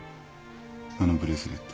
あのブレスレット。